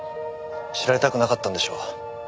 知られたくなかったんでしょう。